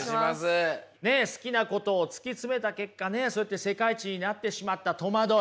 ね好きなことを突き詰めた結果ねそうやって世界一になってしまった戸惑い。